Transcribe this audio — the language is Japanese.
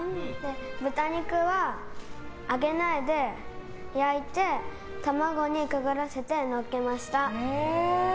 豚肉は揚げないで焼いて卵にくぐらせてのっけました。